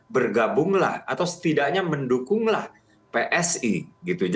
bergabunglah atau setidaknya mendukunglah psi gitu